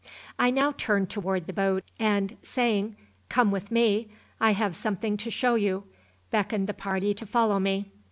I now turned toward the boat and, saying: "Come with me; I have something to show you," beckoned the party to follow me.